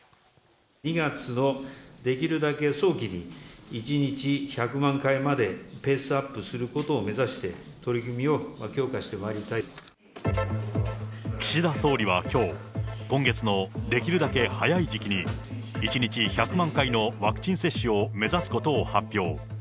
２月のできるだけ早期に、１日１００万回までペースアップすることを目指して取り組みを強岸田総理はきょう、今月のできるだけ早い時期に１日１００万回のワクチン接種を目指すことを発表。